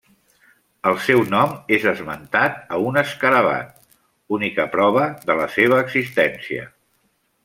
El seu nom és esmentat a un escarabat, única prova de la seva existència.